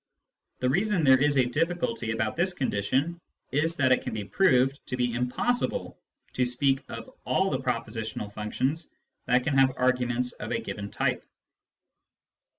The reason there is a difficulty about this condition is that it can be proved to be impossible to speak of all the pro positional functions that can have arguments of a given type.